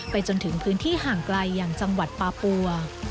จนถึงพื้นที่ห่างไกลอย่างจังหวัดปาปัว